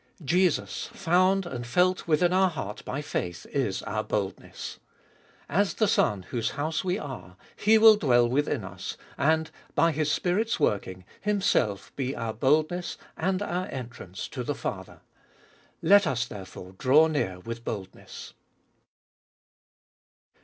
Jesus, found and felt within our heart by faith, is our boldness. As the Son, whose house we are, He will dwell within us, and by His Spirit's working, Himself be our boldness and our entrance to the Father. Let us, therefore, draw near with boldness